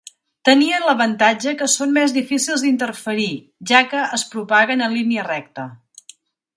Tenien l'avantatge que són més difícils d'interferir, ja que es propaguen en línia recta.